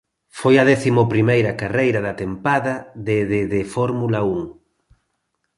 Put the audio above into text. Foi a décimo primeira carreira da tempada de de de Fórmula Un.